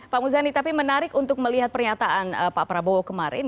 pak muzani tapi menarik untuk melihat pernyataan pak prabowo kemarin